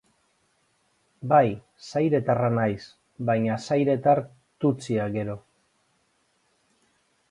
Bai, zairetarra naiz, baina zairetar tutsia gero.